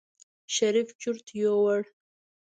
شريف چورت يوړ.